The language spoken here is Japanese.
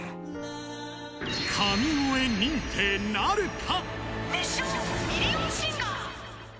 神声認定なるか？